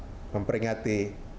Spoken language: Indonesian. saya ingin memperingati